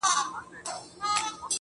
زموږ د كلي څخه ربه ښكلا كډه كړې.